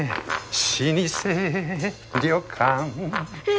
老舗旅館・え！？